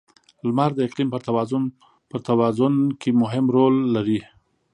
• لمر د اقلیم پر توازن کې مهم رول لري.